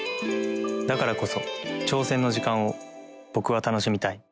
だからこそ挑戦の時間を僕は楽しみたい。